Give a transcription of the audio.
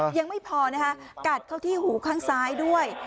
ยังไม่พอนะคะกัดเข้าที่หูข้างซ้ายด้วย